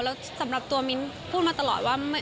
แล้วสำหรับตัวมิ้นพูดมาตลอดว่า